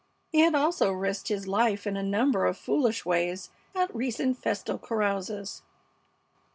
He had also risked his life in a number of foolish ways at recent festal carouses.